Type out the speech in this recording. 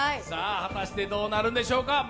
果たしてどうなるんでしょうか。